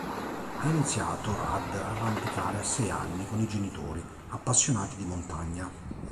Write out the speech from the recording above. Ha iniziato ad arrampicare a sei anni con i genitori, appassionati di montagna.